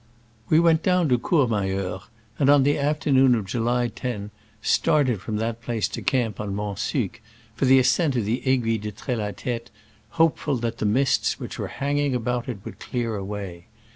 ]* We went down to Cormayeur, and pn the afternoon of July lo started from that place to camp on Mont Sue, for the ascent of the Aiguille de Trelatete, hope ful that the mists which were hanging about would clear away.